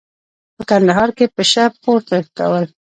په کندهار کې پشه پورته کول.